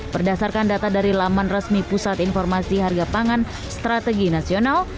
berdasarkan data dari laman resmi pusat informasi harga pangan strategi nasional